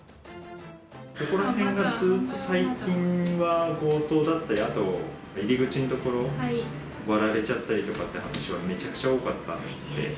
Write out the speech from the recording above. ここら辺はずっと最近は、強盗だったり、あと入り口の所、割られちゃったりとかっていう話はめちゃくちゃ多かったんで。